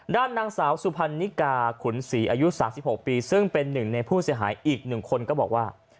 ด้านนางสาวสุพรรณนิกาขุนศรีอายุ๓๖ปีซึ่งเป็นหนึ่งในผู้เสียหายอีก๑คนก็บอกว่า